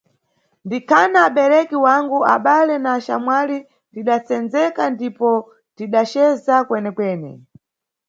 Ndikhana abereki wangu, abale na axamwali, tidasendzeka ndipo tidaceza kwenekwene.